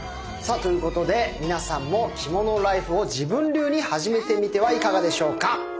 さあということで皆さんも着物ライフを自分流に始めてみてはいかがでしょうか。